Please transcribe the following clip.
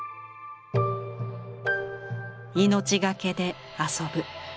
「命がけで遊ぶ」。